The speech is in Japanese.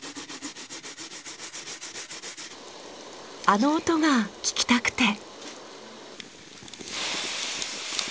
あの音が聞きたくて。